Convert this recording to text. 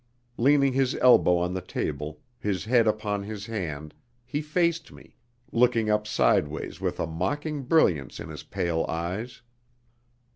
Leaning his elbow on the table, his head upon his hand, he faced me, looking up sideways with a mocking brilliance in his pale eyes.